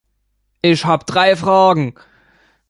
Ich habe drei Fragen.